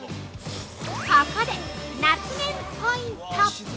◆ここで、夏麺ポイント！